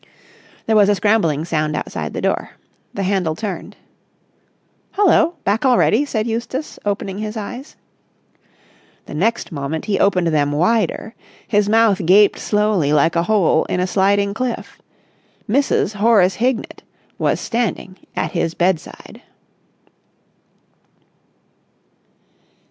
There was a scrambling sound outside the door. The handle turned. "Hullo! Back already?" said Eustace, opening his eyes. The next moment he opened them wider. His mouth gaped slowly like a hole in a sliding cliff. Mrs. Horace Hignett was standing at his bedside.